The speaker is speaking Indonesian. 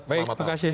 baik terima kasih